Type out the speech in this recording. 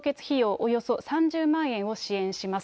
およそ３０万円を支援します。